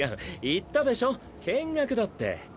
言ったでしょ見学だって。